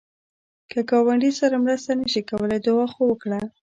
که ګاونډي سره مرسته نشې کولای، دعا خو وکړه